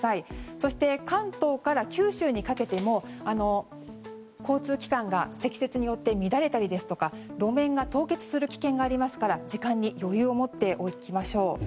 そして関東から九州にかけても交通機関が積雪によって乱れたりですとか路面が凍結する危険がありますから時間に余裕を持っていきましょう。